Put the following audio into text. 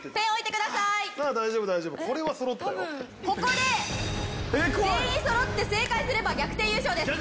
ここで全員揃って正解すれば逆転優勝です！